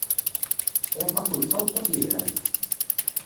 Tlaq-akent tameṭṭut yelhan.